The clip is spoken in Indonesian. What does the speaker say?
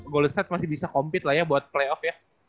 golset masih bisa compete lah ya buat playoff ya